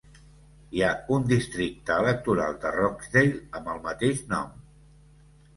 Hi ha un districte electoral de Rochdale amb el mateix nom.